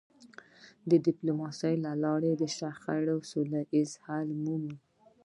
د ډيپلوماسی له لارې شخړې سوله ییز حل مومي.